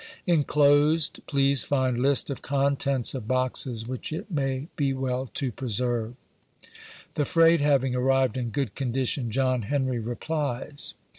Enolosed please find list of contents of boxes, which it may be well to preserve. 2(1 A VOICE FROM HARPER'S FERRY. The freight having arrived in good condition, John Henrie replies.